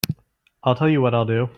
I'll tell you what I'll do.